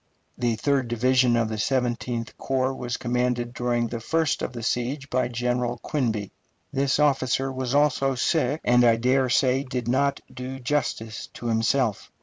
The third division of the Seventeenth Corps was commanded during the first of the siege by General Quinby. This officer was also sick, and I dare say did not do justice to himself.